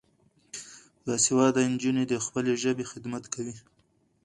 باسواده نجونې د خپلې ژبې خدمت کوي.